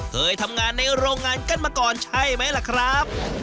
เคยทำงานในโรงงานกันมาก่อนใช่ไหมล่ะครับ